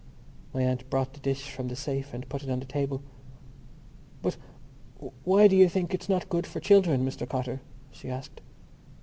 My aunt brought the dish from the safe and put it on the table. "But why do you think it's not good for children, Mr Cotter?" she asked.